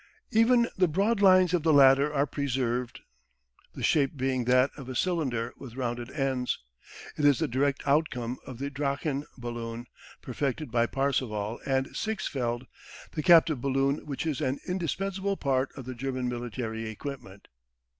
Even the broad lines of the latter are preserved, the shape being that of a cylinder with rounded ends. It is the direct outcome of the "Drachen Balloon," perfected by Parseval and Siegsfeld, the captive balloon which is an indispensable part of the German military equipment.